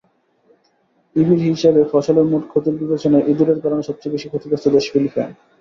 ইরির হিসাবে, ফসলের মোট ক্ষতির বিবেচনায় ইঁদুরের কারণে সবচেয়ে ক্ষতিগ্রস্ত দেশ ফিলিপাইন।